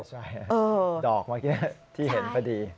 ใช่ดอกเมื่อกี้ที่เห็นพอดี